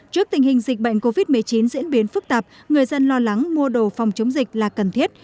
trước tình hình dịch bệnh covid một mươi chín diễn biến phức tạp người dân lo lắng mua đồ phòng chống dịch là cần thiết